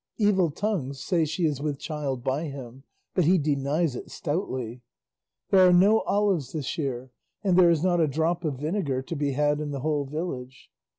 Evil tongues say she is with child by him, but he denies it stoutly. There are no olives this year, and there is not a drop of vinegar to be had in the whole village.